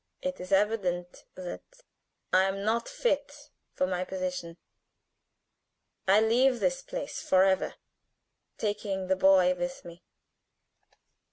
It is evident that I am not fit for my position. I leave this place forever, taking the boy with me.